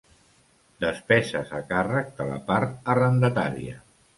Despeses a càrrec de la part arrendatària.